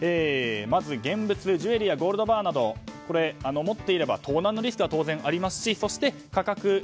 まず現物ジュエリーやゴールドバーなど持っていれば盗難のリスクは当然ありますしそして、価格。